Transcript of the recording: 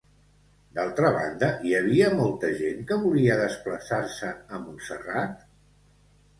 D'altra banda, hi havia molta gent que volia desplaçar-se a Montserrat?